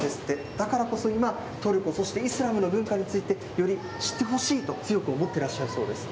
だからこそ今、トルコ、そしてイスラムの文化についてより知ってほしいと強く思ってらっしゃるそうです。